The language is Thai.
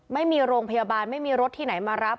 ไม่มีโรงพยาบาลไม่มีรถที่ไหนมารับ